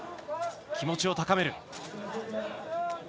気持ちを高める。